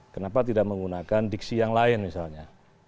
kenapa tidak menggunakan diksi yang lain misalnya